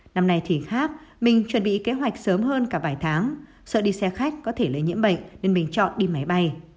năm nay thì khác mình chuẩn bị kế hoạch sớm hơn cả vài tháng sợ đi xe khách có thể lấy nhiễm bệnh nên mình chọn đi máy bay